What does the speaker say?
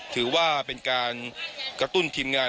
ถือว่าเป็นการกระตุ้นทีมงาน